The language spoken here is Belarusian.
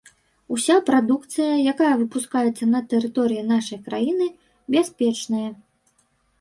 Уся прадукцыя, якая выпускаецца на тэрыторыі нашай краіны, бяспечная.